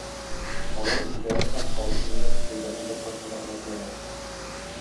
Алар үзләре һәм халкы ниләр кичергәнне беркайчан да онытмыйлар.